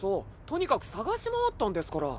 とにかく捜し回ったんですから。